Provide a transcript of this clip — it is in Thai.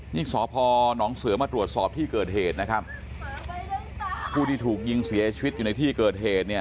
นี่สพนเสือมาตรวจสอบที่เกิดเหตุนะครับผู้ที่ถูกยิงเสียชีวิตอยู่ในที่เกิดเหตุเนี่ย